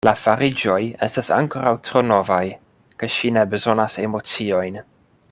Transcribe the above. La fariĝoj estas ankoraŭ tro novaj; kaj ŝi ne bezonas emociojn.